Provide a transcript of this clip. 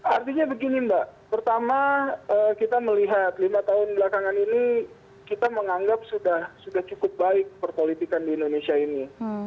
artinya begini mbak pertama kita melihat lima tahun belakangan ini kita menganggap sudah cukup baik perpolitikan di indonesia ini